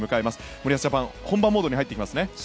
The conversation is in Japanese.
森保ジャパン、本番モードに入っていきますね。